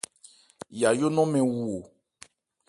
Yajó nɔ̂n mɛn wu o.